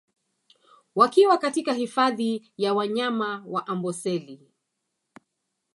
Wakiwa katika hifadhi ya wanyama ya Amboseli